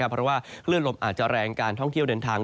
เพราะว่าคลื่นลมอาจจะแรงการท่องเที่ยวเดินทาง